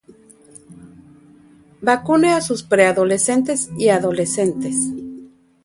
Vacune a sus preadolescentes y adolescentes